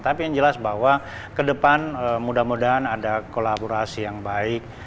tapi yang jelas bahwa ke depan mudah mudahan ada kolaborasi yang baik